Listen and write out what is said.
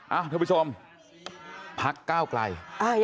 เอ้าทุกผู้ชมพักก้าวกลาย